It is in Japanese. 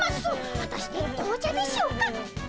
はたして紅茶でしょうか？